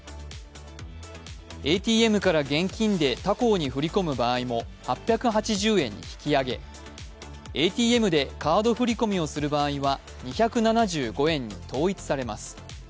ＡＴＭから現金で他行に振り込む場合も、８８０円に引き上げＡＴＭでカード振り込みをする場合は２７５円に統一されます。